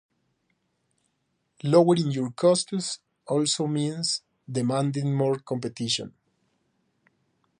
Lowering your costs also means demanding more competition.